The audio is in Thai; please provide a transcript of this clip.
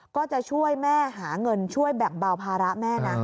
ก็จะช่วยแม่หาเงินช่วยแบ่งเบาภาระแม่นะ